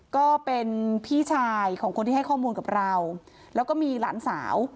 ก็เป็นพี่ชายของคนที่ให้ข้อมูลกับเราแล้วก็มีหลานสาว